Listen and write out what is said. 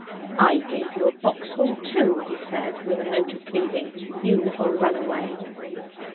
'I gave you a box full too,' he said with a note of pleading. 'You little runaway!'